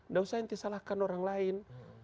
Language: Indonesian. ndak usah ente salahkan orang lain